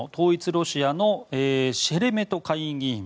ロシアのシェレメト下院議員。